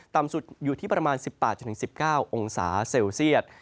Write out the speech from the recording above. ต่ำสุดอยู่ที่ประมาณ๑๘๑๙องศาเซลเซียต